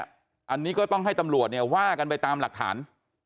อันนี้ก็ต้องให้ตำรวจเนี่ยว่ากันไปตามหลักฐาน